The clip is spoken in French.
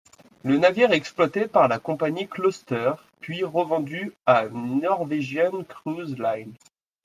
Le navire est exploité par la compagnie Kloster puis revendu à Norwegian Cruise Line.